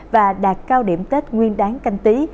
và đạt cao điểm tết nguyên đáng canh tí